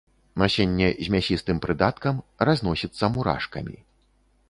Насенне з мясістым прыдаткам, разносіцца мурашкамі.